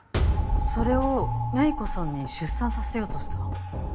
それを芽衣子さんに出産させようとした？